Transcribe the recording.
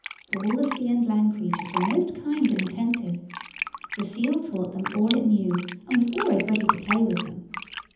All the sea and land creatures were most kind and attentive. The seal taught them all it knew, and was always ready to play with them.